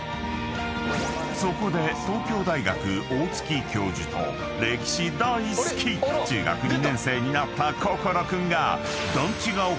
［そこで東京大学大月教授と歴史大好き中学２年生になった心君が団地が起こした］